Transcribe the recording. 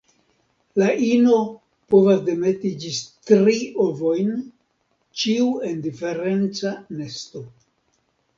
La ino povas demeti ĝis tri ovojn, ĉiu en diferenca nesto.